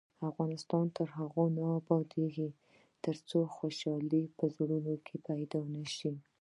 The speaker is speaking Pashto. افغانستان تر هغو نه ابادیږي، ترڅو خوشحالي په زړونو کې پیدا نشي.